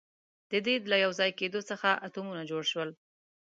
د دې له یوځای کېدو څخه اتمونه جوړ شول.